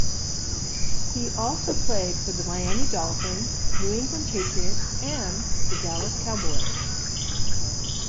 He also played for the Miami Dolphins, New England Patriots and the Dallas Cowboys.